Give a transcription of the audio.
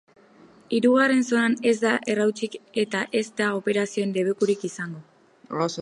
Hirugarren zonan ez da errautsik eta ez da operazioen debekurik izango.